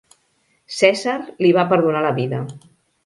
Cèsar li va perdonar la vida.